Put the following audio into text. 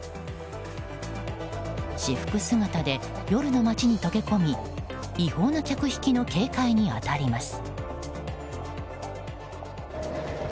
私服姿で夜の街に溶け込み違法な客引きの警戒に当たります。